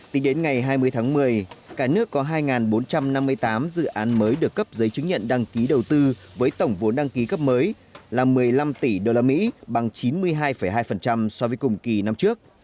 tính đến ngày hai mươi tháng một mươi cả nước có hai bốn trăm năm mươi tám dự án mới được cấp giấy chứng nhận đăng ký đầu tư với tổng vốn đăng ký cấp mới là một mươi năm tỷ usd bằng chín mươi hai hai so với cùng kỳ năm trước